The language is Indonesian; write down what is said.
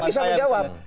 kalau saya bisa menjawab